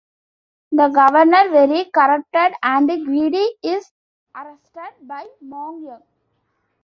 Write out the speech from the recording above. The governor, very corrupted and greedy, is arrested by Mongryong.